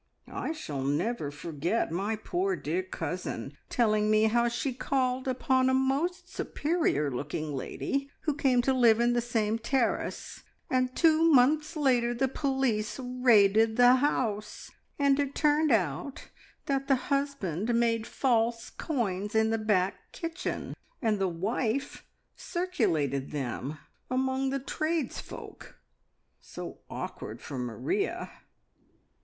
I shall never forget my poor dear cousin telling me how she called on a most superior looking lady who came to live in the same terrace, and two months later the police raided the house, and it turned out that the husband made false coins in the back kitchen, and the wife circulated them among the tradesfolk. So awkward for Maria!"